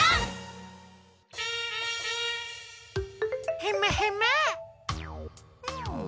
ヘムヘム。